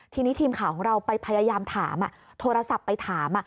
ทีนี้ทีมข่าวของเราไปพยายามถามโทรศัพท์ไปถาม